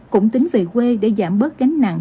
cũng tính về quê để giảm bớt gánh nặng